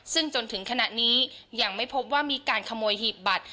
ซึ่งจนถึงขณะนี้ยังไม่พบว่ามีการขโมยหีบบัตร